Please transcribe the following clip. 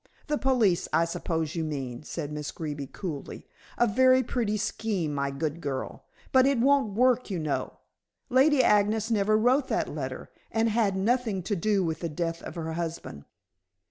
'" "The police, I suppose you mean," said Miss Greeby coolly. "A very pretty scheme, my good girl. But it won't do, you know. Lady Agnes never wrote that letter, and had nothing to do with the death of her husband."